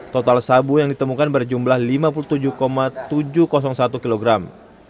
total sabu yang ditemukan berjumlah lima puluh tujuh tujuh ratus satu kilogram